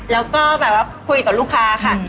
แล้วก็แบบว่าคุยกับลูกค้าค่ะ